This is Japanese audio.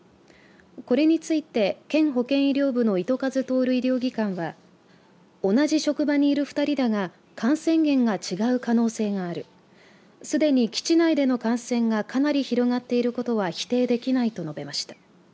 これについて県保健医療部の糸数公医療技監は同じ職場にいる２人だが感染源が違う可能性があるすでに基地内での感染がかなり広がっていることは否定できないと述べました。